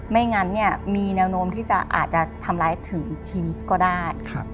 งั้นเนี่ยมีแนวโน้มที่จะอาจจะทำร้ายถึงชีวิตก็ได้